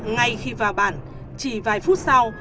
ngay khi vào bản chỉ vài phút sau